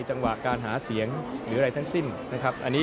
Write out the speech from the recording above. จังหวะการหาเสียงหรืออะไรทั้งสิ้นนะครับ